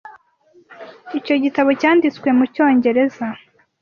Icyo gitabo cyanditswe mu Cyongereza.